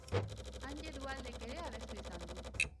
Anje Duhaldek ere abestu izan du.